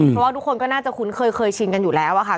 เพราะว่าทุกคนก็น่าจะคุ้นเคยเคยชินกันอยู่แล้วอะค่ะ